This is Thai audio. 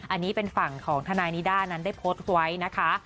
อันนี้เป็นฝั่งของทนายนิด้านั้นได้โพสต์ไว้นะคะ